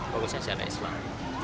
bagusnya syariat islam